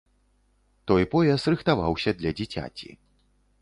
Той пояс рыхтаваўся для дзіцяці.